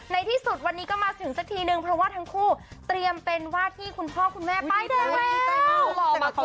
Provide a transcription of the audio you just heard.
ในที่สุดวันนี้ก็มาถึงสักทีนึงเพราะว่าทั้งคู่เตรียมเป็นว่าที่คุณพ่อคุณแม่ป้ายแดง